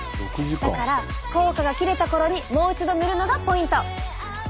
だから効果が切れた頃にもう一度塗るのがポイント！